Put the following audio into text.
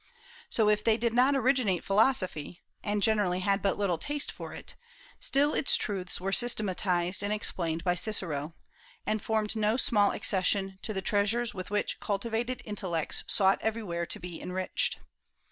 So, if they did not originate philosophy, and generally had but little taste for it, still its truths were systematized and explained by Cicero, and formed no small accession to the treasures with which cultivated intellects sought everywhere to be enriched.